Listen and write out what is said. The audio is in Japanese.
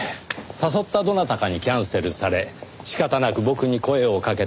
誘ったどなたかにキャンセルされ仕方なく僕に声をかけた。